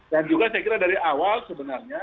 dan juga saya kira dari awal sebenarnya